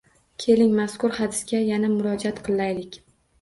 Keling, mazkur hadisga yana murojaat qilaylik